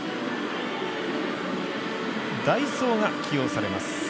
代走が起用されます。